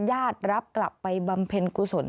ญาติรับกลับไปบำเพ็ญกุศล